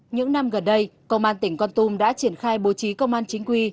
những năm gần đây công an tỉnh con tum đã triển khai bố trí công an chính quy